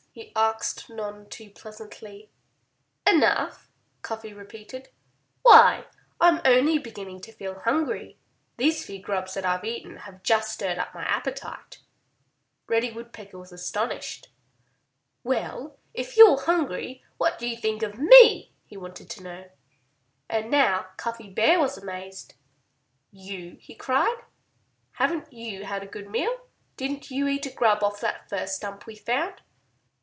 he asked none too pleasantly. "Enough!" Cuffy repeated. "Why, I'm only beginning to feel hungry. These few grubs that I've eaten have just stirred up my appetite."' Reddy Woodpecker was astonished. "Well, if you're hungry, what do you think of me?" he wanted to know. And now Cuffy Bear was amazed. "You!" he cried. "Haven't you had a good meal? Didn't you eat a grub off that first stump we found?"